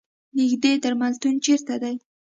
نیږدې درملتون چېرته ده؟